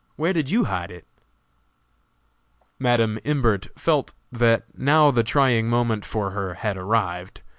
Where did you hide it?" Madam Imbert felt that now the trying moment for her had arrived.